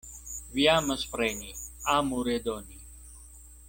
Vi amas preni, amu redoni.